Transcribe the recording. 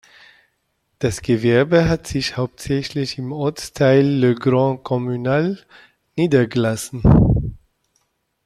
Das Gewerbe hat sich hauptsächlich im Ortsteil Le Grand Communal niedergelassen.